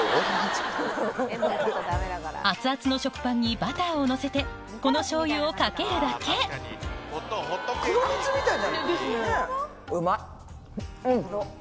熱々の食パンにバターをのせてこの醤油をかけるだけ確かに。